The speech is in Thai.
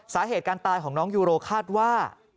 สาเหตุการตายของน้องยูโรคาดว่า